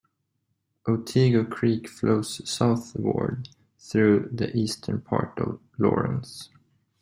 Otego Creek flows southward through the eastern part of Laurens.